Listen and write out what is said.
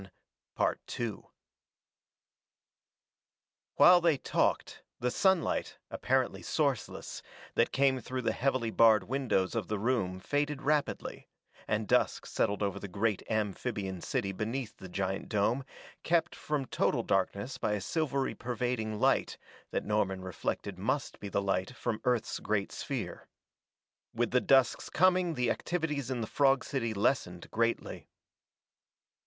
While they talked, the sunlight, apparently sourceless, that came through the heavily barred windows of the room faded rapidly, and dusk settled over the great amphibian city beneath the giant dome, kept from total darkness by a silvery pervading light that Norman reflected must be the light from Earth's great sphere. With the dusk's coming the activities in the frog city lessened greatly.